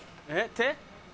手？